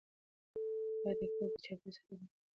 موږ باید د کلي د چاپیریال ساتنې ته ډېره پاملرنه وکړو.